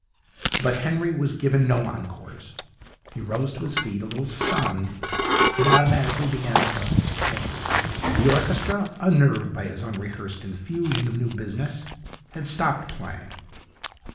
But Henry was giving no encores. He rose to his feet, a little stunned, and automatically began to dust his clothes. The orchestra, unnerved by this unrehearsed infusion of new business, had stopped playing.